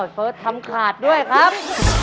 เฟิร์สทำขาดด้วยครับ